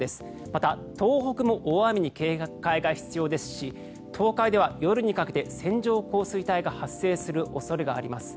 また、東北も大雨に警戒が必要ですし東海では夜にかけて線状降水帯が発生する恐れがあります。